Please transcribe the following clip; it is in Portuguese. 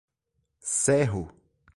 Serro